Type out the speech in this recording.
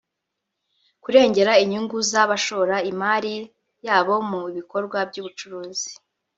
kurengera inyungu z’abashora imari yabo mu bikorwa by’ubucuruzi